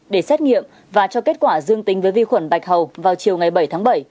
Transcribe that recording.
để xét nghiệm và cho kết quả dương tính với vi khuẩn bạch hầu vào chiều ngày bảy tháng bảy